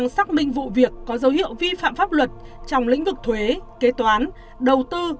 xác minh vụ việc có dấu hiệu vi phạm pháp luật trong lĩnh vực thuế kế toán đầu tư